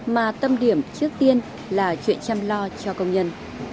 mà tâm điểm trước tiên là chuyện chăm lo cho công nhân